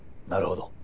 なるほど。